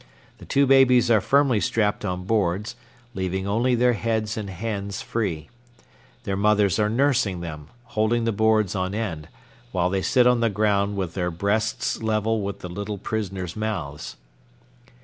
The two babies are firmly strapped on boards, leaving only their heads and hands free. Their mothers are nursing them, holding the boards on end, while they sit on the ground with their breasts level with the little prisoners' mouths.